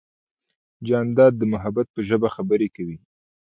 جانداد د محبت په ژبه خبرې کوي.